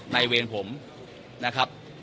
เวรผมนะครับ